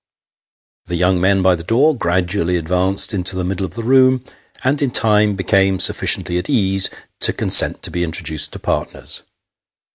The young men by the door gradually advanced into the middle of the room, and in time became sufficiently at ease to consent to be intro duced to partners.